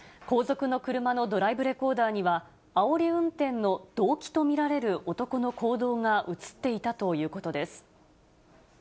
後続の車のドライブレコーダーには、あおり運転の動機と見られる男の行動が写っていたということです。